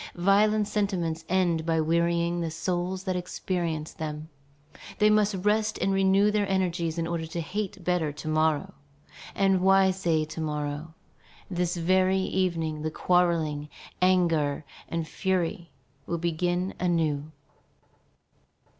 Violent sentiments end by wearying the souls that experience them. They must rest and renew their energies in order to hate better to morrow. And why say to morrow? This very evening the quarrelling, anger, and fury will begin anew.